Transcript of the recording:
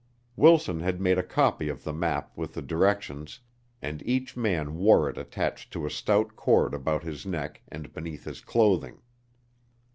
Wilson had made a copy of the map with the directions, and each man wore it attached to a stout cord about his neck and beneath his clothing.